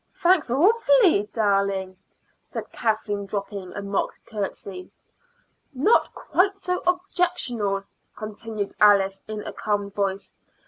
"Thanks awfully, darling," said Kathleen, dropping a mock curtsy. "Not quite so objectionable," continued Alice in a calm voice.